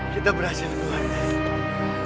kita berhasil guwara